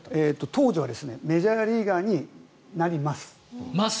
当時はメジャーリーガーになります。